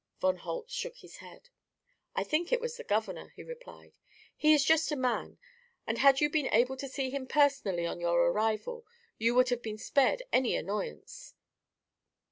Von Holtz shook his head. "I think it was the governor," he replied. "He is a just man, and had you been able to see him personally on your arrival you would have been spared any annoyance."